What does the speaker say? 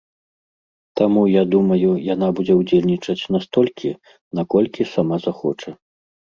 Таму, я думаю, яна будзе ўдзельнічаць настолькі, наколькі сама захоча.